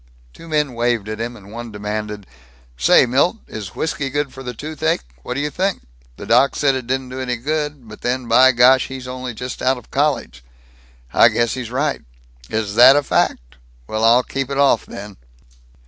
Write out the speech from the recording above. Two men waved at him, and one demanded, "Say, Milt, is whisky good for the toothache? What d' you think! The doc said it didn't do any good. But then, gosh, he's only just out of college." "I guess he's right." "Is that a fact! Well, I'll keep off it then."